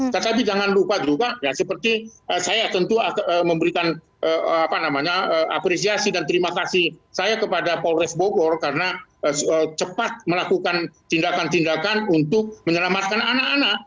tetapi jangan lupa juga ya seperti saya tentu memberikan apresiasi dan terima kasih saya kepada polres bogor karena cepat melakukan tindakan tindakan untuk menyelamatkan anak anak